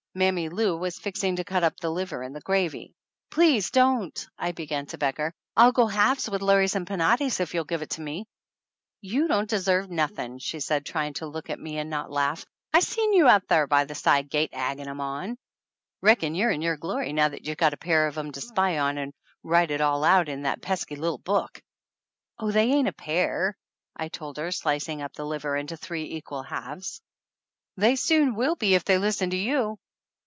Mammy Lou was fixing to cut up the liver in the gravy. "Please don't," I began to beg her, "I'll go halves with Lares and Penates if you'll give it to me !" "You don't deserve nothin'," she said, trying to look at me and not laugh. "I seen you out thar by the side gate, aggin' 'em on! Reckon you're in your glory, now that you've got a pair of 'em to spy on and write it all out in that pesky little book !" "Oh, they ain't a pair!" I told her, slicing up the liver into three equal halves. THE ANNALS OF ANN "They soon will be if they listen to you